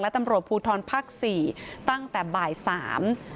และตำรวจผู้ทรรพรรคสี่ตั้งแต่ว่า๓บาท